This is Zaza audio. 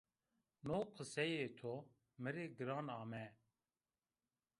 No qeseyê to mi rê giran ame